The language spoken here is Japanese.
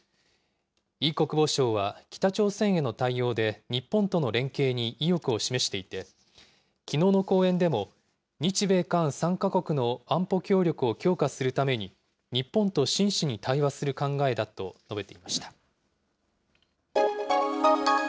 イ国防相は北朝鮮への対応で、日本との連携に意欲を示していて、きのうの講演でも日米韓３か国の安保協力を強化するために、日本と真摯に対話する考えだと述べていました。